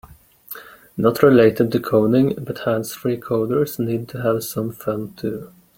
Not related to coding, but hands-free coders need to have some fun too.